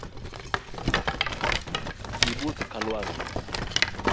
Ibuth kalwangni